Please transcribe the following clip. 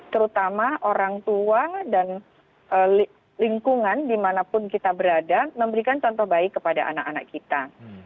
terutama orang tua dan lingkungan dimanapun kita berada memberikan contoh baik kepada anak anak kita